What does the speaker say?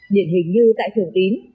điển hình như tại thường tín